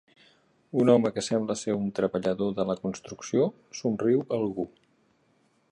Un home que sembla ser un treballador de la construcció somriu a algú.